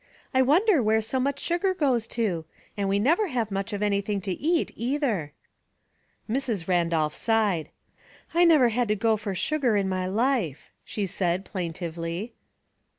I wonder where so much sugar goes to? And we never have much of anything to eat, either." Mrs. Randolph sighed. '* 1 never had to go for sugar in my life," she said, plaintively.